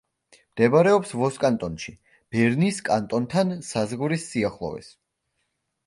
მდებარეობს ვოს კანტონში, ბერნის კანტონთან საზღვრის სიახლოვეს.